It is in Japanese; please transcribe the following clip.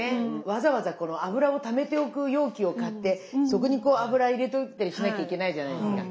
わざわざこの油をためておく容器を買ってそこにこう油入れといたりしなきゃいけないじゃないですか。